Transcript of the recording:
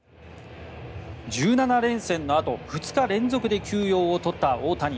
１７連戦のあと２日連続で休養を取った大谷。